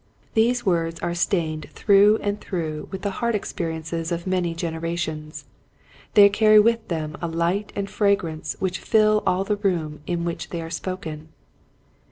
These w^ords are stained through and through with the heart experiences of many generations. They carry with them a light and fragrance which fill all the room in which they are spoken.